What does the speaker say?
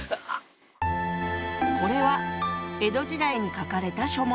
これは江戸時代に書かれた書物。